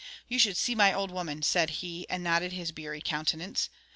'You should see my old woman,' said he, and nodded his beery countenance.